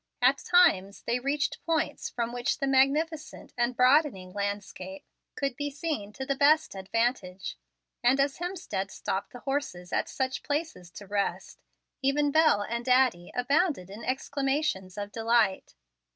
At times they reached points from which the magnificent and broadening landscape could be seen to the best advantage, and as Hemstead stopped the horses at such places to rest, even Bel and Addie abounded in exclamations of delight.